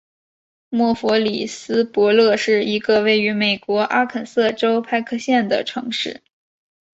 默弗里斯伯勒是一个位于美国阿肯色州派克县的城市。